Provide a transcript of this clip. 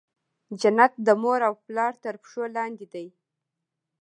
جنت د مور او پلار تر پښو لاندي دی.